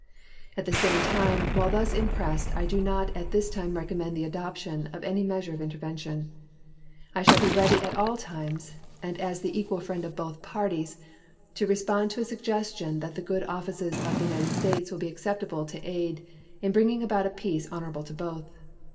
At the same time, while thus impressed I do not at this time recommend the adoption of any measure of intervention. I shall be ready at all times, and as the equal friend of both parties, to respond to a suggestion that the good offices of the United States will be acceptable to aid in bringing about a peace honorable to both.